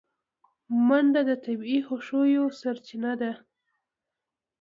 منډه د طبیعي خوښیو سرچینه ده